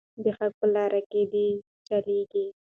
د حق په لاره کې دې چلیږي.